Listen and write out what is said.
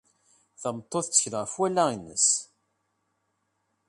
Tameṭṭut tettkel ɣef wallaɣ-nnes.